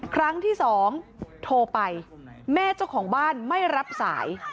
ครั้งที่สองโทรไปแม่เจ้าของบ้านไม่รับสาย